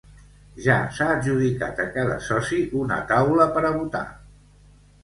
Ja s'ha adjudicat a cada soci una taula per a votar.